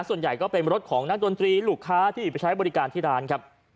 ส่วนใหญ่ก็เป็นรถของนักดนตรีลูกค้าที่ไปใช้บริการที่ร้านครับ